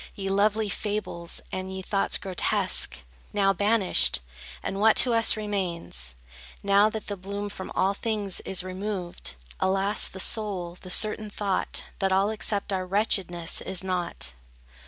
Ye lovely fables, and ye thoughts grotesque, Now banished! And what to us remains? Now that the bloom from all things is removed? Alas, the sole, the certain thought, That all except our wretchedness, is nought.